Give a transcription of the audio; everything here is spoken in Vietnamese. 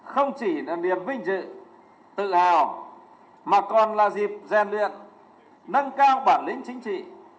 không chỉ là niềm vinh dự tự hào mà còn là dịp rèn luyện nâng cao bản lĩnh chính trị